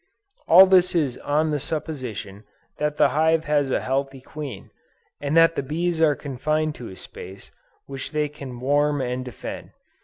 All this is on the supposition that the hive has a healthy queen, and that the bees are confined to a space which they can warm and defend.